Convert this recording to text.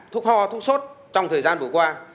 thuốc ho thuốc sốt trong thời gian vừa qua